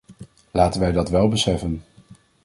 Laten wij dat wel beseffen.